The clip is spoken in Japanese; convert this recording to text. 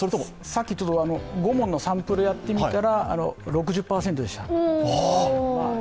さっき５問のサンプルやってみたら、６０％でした。